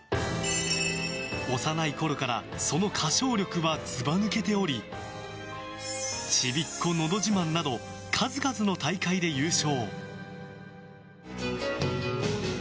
幼いころから、その歌唱力はずば抜けており「ちびっこのどじまん」など数々の大会で優勝。